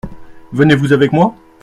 Venez-vous avec moi ?